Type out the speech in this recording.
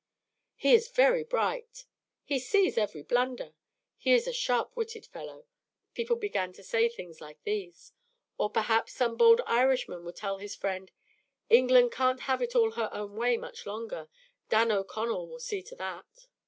"He is very bright." "He sees every blunder." "He is a sharp witted fellow." People began to say things like these. Or, perhaps, some bold Irishman would tell his friend, "England can't have it all her own way much longer. Dan O'Connell will see to that."